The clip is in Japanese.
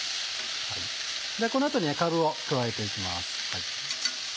この後にかぶを加えて行きます。